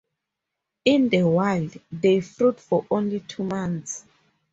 In the wild, they fruit for only two months.